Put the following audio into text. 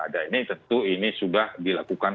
ada ini tentu ini sudah dilakukan